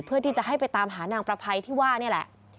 เพื่อที่จะให้ไปตามหานางประภัยที่ว่านี่แหละ